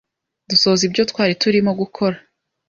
Dusoza ibyo twari turimo gukora